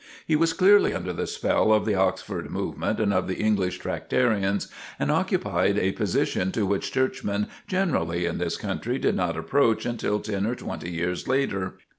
He was clearly under the spell of the "Oxford Movement," and of the English "Tractarians," and occupied a position to which Churchmen generally in this country did not approach until ten or twenty years later.